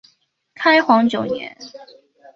开皇九年。